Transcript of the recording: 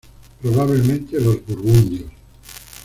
Probablemente, los burgundios.